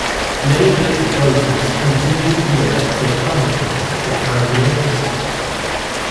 Many of its voters continued to elect Republicans to county offices.